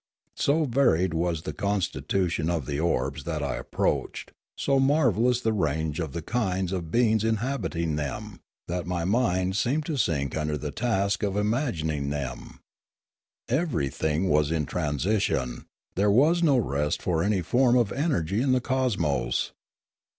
So varied was the con stitution of the orbs that I approached, so marvellous the range of the kinds of beings inhabiting them, that my mind seemed to sink under the task of imagining them. Everything was in transition, there was no rest for any form of energy in the cosmos.